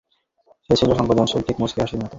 সে ছিল সংবেদনশীল, ঠিক মুচকি হাসির মতো।